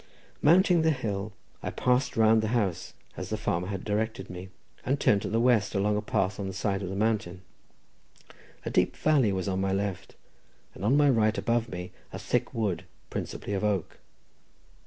Mounting the hill, I passed round the house, as the farmer had directed me, and turned to the west along a path on the side of the mountain. A deep valley was on my left, and on my right above me a thick wood, principally of oak.